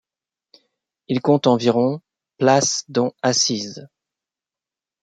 Il compte environ places dont assises.